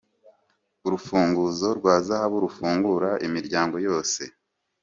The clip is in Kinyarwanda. urufunguzo rwa zahabu rufungura imiryango yose